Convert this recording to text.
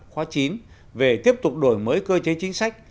khóa chín về tiếp tục đổi mới cơ chế chính sách